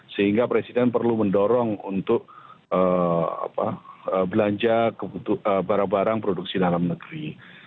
sehingga presiden perlu mendorong untuk belanja barang barang produksi dalam negeri